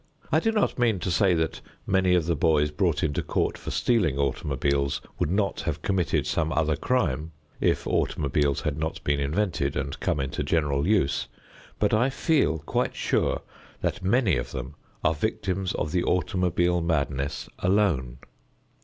I do not mean to say that many of the boys brought into court for stealing automobiles would not have committed some other crime, if automobiles had not been invented and come into general use, but I feel quite sure that many of them are victims of the automobile madness alone.